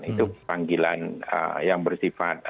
itu panggilan yang bersifat